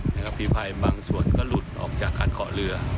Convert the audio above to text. บิดก็ถามฝีพายบางส่วนก็หลุดออกจากการเกาะเรือ